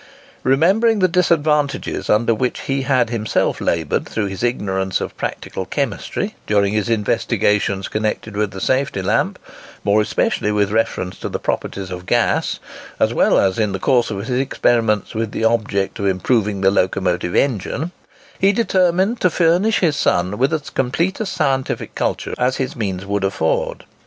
Remembering the disadvantages under which he had himself laboured through his ignorance of practical chemistry during his investigations connected with the safety lamp, more especially with reference to the properties of gas, as well as in the course of his experiments with the object of improving the locomotive engine, he determined to furnish his son with as complete a scientific culture as his means would afford.